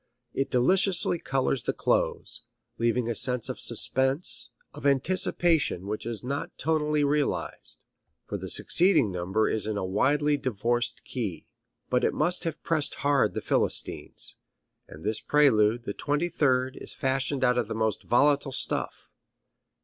It deliciously colors the close, leaving a sense of suspense, of anticipation which is not tonally realized, for the succeeding number is in a widely divorced key. But it must have pressed hard the philistines. And this prelude, the twenty third, is fashioned out of the most volatile stuff.